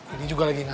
ini juga lagi napal